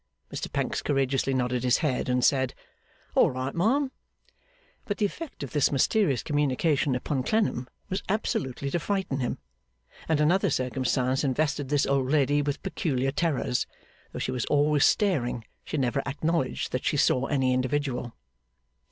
Mr Pancks courageously nodded his head and said, 'All right, ma'am.' But the effect of this mysterious communication upon Clennam was absolutely to frighten him. And another circumstance invested this old lady with peculiar terrors. Though she was always staring, she never acknowledged that she saw any individual.